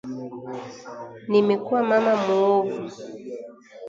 Nimekuwa mama muovu